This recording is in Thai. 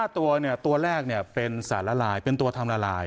ตัวแรกเป็นสารละลายเป็นตัวทำละลาย